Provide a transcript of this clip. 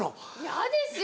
嫌ですよ！